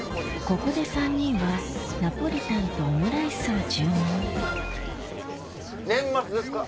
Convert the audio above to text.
ここで３人はナポリタンとオムライスを注文年末ですか？